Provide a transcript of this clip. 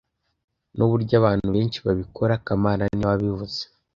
Nuburyo abantu benshi babikora kamana niwe wabivuze